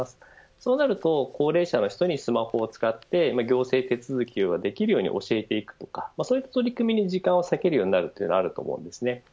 そうなると高齢者の人にスマホを使って行政手続きをできるように教えていくとかそういった取り組みに時間を避けるようになると思います。